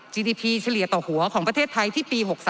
ทีดีพีเฉลี่ยต่อหัวของประเทศไทยที่ปี๖๓